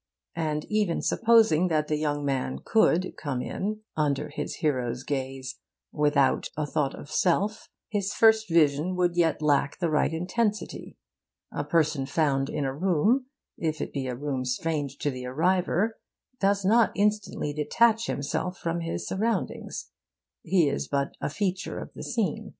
And even supposing that the young man could come in under his hero's gaze without a thought of self, his first vision would yet lack the right intensity. A person found in a room, if it be a room strange to the arriver, does not instantly detach himself from his surroundings. He is but a feature of the scene.